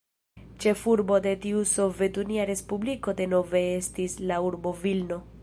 Ĉefurbo de tiu sovetunia respubliko denove estis la urbo Vilno.